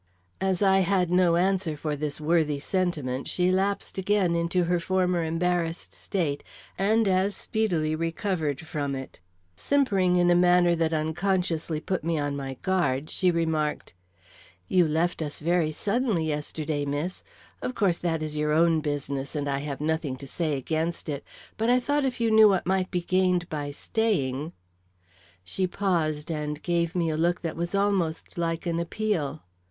As I had no answer for this worthy sentiment, she lapsed again into her former embarrassed state and as speedily recovered from it. Simpering in a manner that unconsciously put me on my guard, she remarked: "You left us very suddenly yesterday, miss. Of course that is your own business, and I have nothing to say against it. But I thought if you knew what might be gained by staying " She paused and gave me a look that was almost like an appeal.